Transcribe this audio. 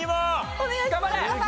お願いします。